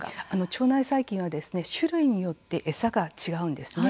腸内細菌は種類によって餌が違うんですね。